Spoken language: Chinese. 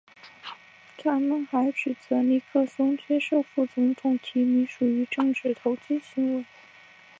他们还指责尼克松接受副总统提名属于政治投机行为。